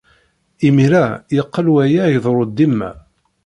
Imir-a, yeqqel waya iḍerru dima.